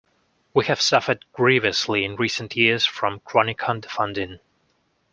We have suffered grievously in recent years from chronic underfunding.